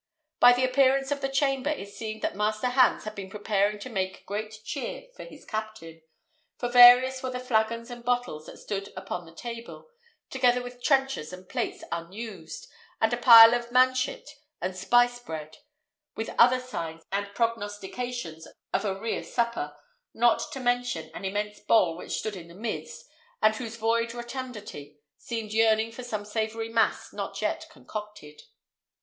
By the appearance of the chamber it seemed that Master Hans had been preparing to make great cheer for his captain; for various were the flagons and bottles that stood upon the table, together with trenchers and plates unused, and a pile of manchet and spice bread, with other signs and prognostications of a rere supper; not to mention an immense bowl which stood in the midst, and whose void rotundity seemed yearning for some savoury mass not yet concocted.